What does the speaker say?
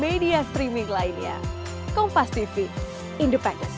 tapi di saat ini seperti pilihan makin angin hiu tersakit hal luar biasa